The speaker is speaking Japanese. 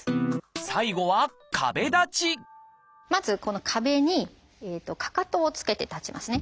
最後はまずこの壁にかかとをつけて立ちますね。